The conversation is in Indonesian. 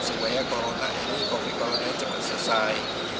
supaya covid sembilan belas ini cepat selesai